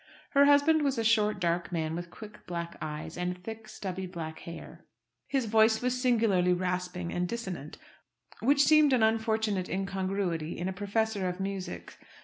Her husband was a short, dark man, with quick black eyes, and thick, stubby, black hair. His voice was singularly rasping and dissonant, which seemed an unfortunate incongruity in a professor of music.